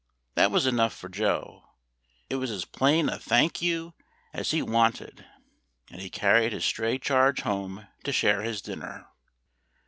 That was enough for Joe; it was as plain a "thank you" as he wanted, and he carried his stray charge home to share his dinner.